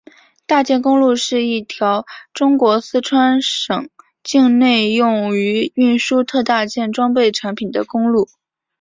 大件公路是一条中国四川省境内用于运输特大件装备产品的公路。